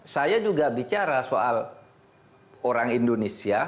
saya juga bicara soal orang indonesia